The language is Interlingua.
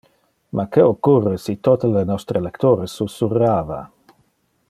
Ma que occurre si tote le nostre lectores susurrava?